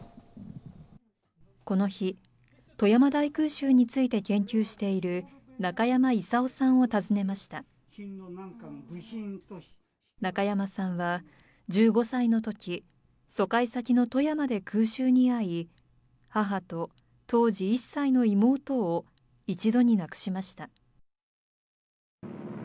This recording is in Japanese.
この日富山大空襲について研究している中山伊佐男さんを訪ねました中山さんは１５歳の時疎開先の富山で空襲に遭い母と当時１歳の妹を一度に亡くしました